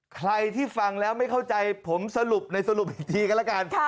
ใครที่ฟังแล้วไม่เข้าใจผมสรุปในสรุปอีกทีก็แล้วกัน